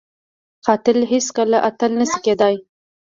قاتل هیڅ کله اتل نه شي کېدای